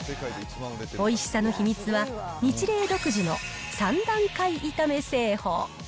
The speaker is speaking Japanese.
おいしさの秘密はニチレイ独自の三段階炒め製法。